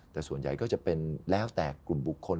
แต่ส่วนใหญ่ก็จะเป็นแล้วแต่กลุ่มบุคคล